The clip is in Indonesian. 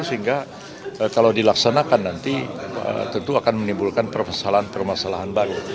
sehingga kalau dilaksanakan nanti tentu akan menimbulkan permasalahan permasalahan baru